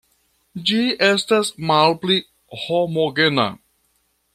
Ĝi estas malpli homogena.